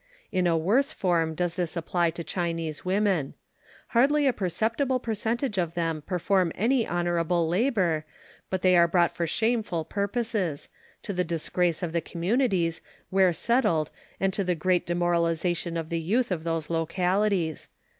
In a worse form does this apply to Chinese women. Hardly a perceptible percentage of them perform any honorable labor, but they are brought for shameful purposes, to the disgrace of the communities where settled and to the great demoralization of the youth of those localities.